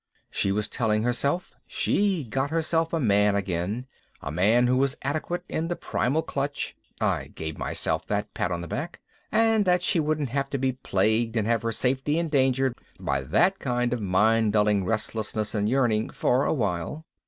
She was telling herself she'd got herself a man again, a man who was adequate in the primal clutch (I gave myself that pat on the back), and that she wouldn't have to be plagued and have her safety endangered by that kind of mind dulling restlessness and yearning for a while.